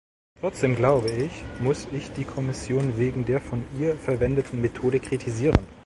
Trotzdem glaube ich, muss ich die Kommission wegen der von ihr verwendeten Methode kritisieren.